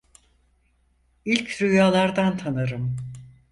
İlk rüyalardan tanırım.